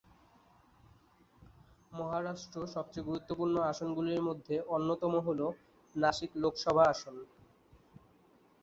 মহারাষ্ট্র সবচেয়ে গুরুত্বপূর্ণ আসনগুলির মধ্যে অন্যতম হল নাসিক লোকসভা আসন।